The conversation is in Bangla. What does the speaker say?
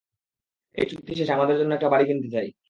এই চুক্তি শেষে আমাদের জন্য একটা বাড়ি কিনতে চাই।